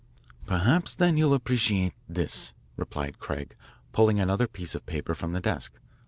Perhaps, then, you'll appreciate this," replied Craig, pulling another piece of paper from the desk.